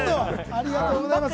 ありがとうございます。